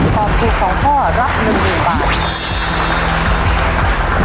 ตอบถูก๒ข้อรับ๑๐๐๐บาท